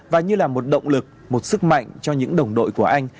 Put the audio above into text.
và như là một động lực một sức mạnh cho những đồng đội của anh